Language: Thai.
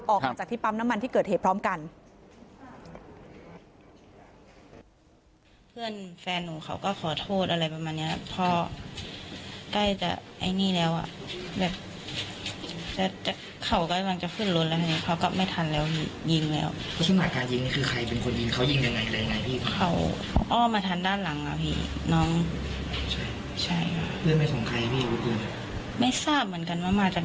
ออกมาจากที่ปั๊มน้ำมันที่เกิดเหตุพร้อมกัน